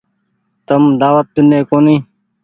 تم دآوت ڏيني ڪونيٚ ۔